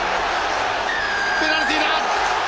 ペナルティーだ！